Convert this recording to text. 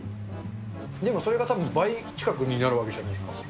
でもそれがたぶん倍近くになるわけじゃないですか。